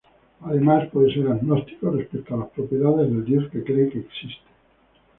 Además, puede ser agnóstico respecto a las propiedades del dios que cree que existe.